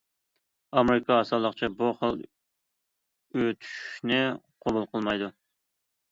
ئامېرىكا ئاسانلىقچە بۇ خىل ئۆتۈشۈشنى قوبۇل قىلمايدۇ.